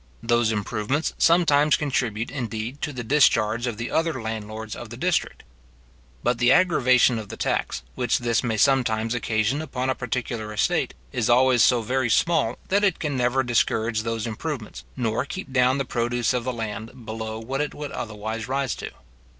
Those improvements sometimes contribute, indeed, to the discharge of the other landlords of the district. But the aggravation of the tax, which this may sometimes occasion upon a particular estate, is always so very small, that it never can discourage those improvements, nor keep down the produce of the land below what it would otherwise rise to.